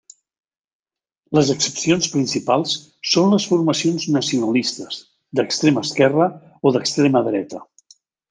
Les excepcions principals són les formacions nacionalistes, d'extrema esquerra o d'extrema dreta.